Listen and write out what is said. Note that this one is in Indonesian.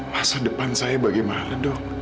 masa depan saya bagaimana dong